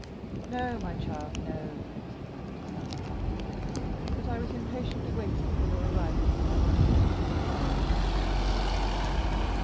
"No, my child, no," said Madame de Saint Méran; "but I was impatiently waiting for your arrival, that I might send for your father."